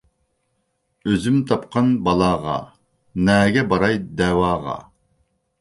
ئۆزۈم تاپقان بالاغا، نەگە باراي دەۋاغا.